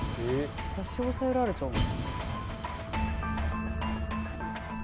差し押さえられちゃうの？